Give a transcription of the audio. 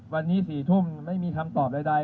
วันนี้๔ทุ่มไม่มีคำตอบใด